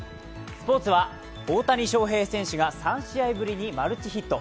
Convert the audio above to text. スポーツは大谷翔平選手が３試合ぶりにマルチヒット。